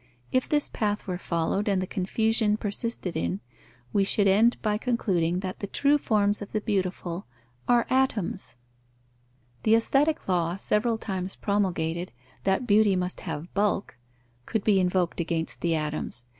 If this path were followed, and the confusion persisted in, we should end by concluding that the true forms of the beautiful are atoms. The aesthetic law, several times promulgated, that beauty must have bulk, could be invoked against the atoms.